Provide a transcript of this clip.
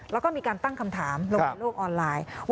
แล้วก็มีการตั้งคำถามลงในโลกออนไลน์